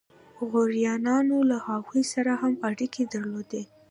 غوریانو له هغوی سره هم اړیکې درلودې.